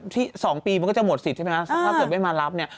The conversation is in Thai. ที่๒ปีก็จะหมดสิทธิ์ใช่ไหมคะถ้าเกิดไม่มารับ